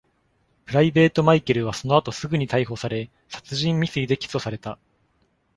Private Mikel はそのあとすぐに逮捕され、殺人未遂で起訴された。